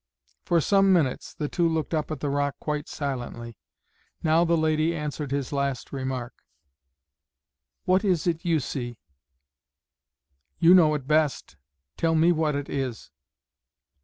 For some minutes the two looked up at the rock quite silently. Now the lady answered his last remark: "What is it you see?" "You know it best; tell me what it is."